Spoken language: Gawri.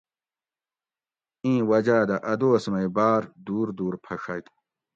اِیں وجاۤ دہ ا دوس مئی باۤر دُور دُور پھڛگ